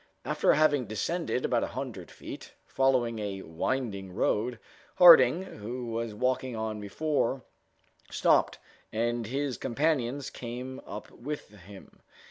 After having descended about a hundred feet, following a winding road, Harding who was walking on before, stopped, and his companions came up with him.